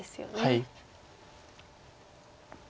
はい。